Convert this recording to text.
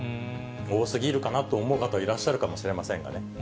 多すぎるかなと思う方、いらっしゃるかもしれませんがね。